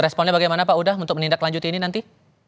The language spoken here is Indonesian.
responnya bagaimana pak uda untuk menindaklanjuti ini nanti